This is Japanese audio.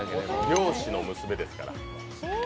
漁師の娘ですから。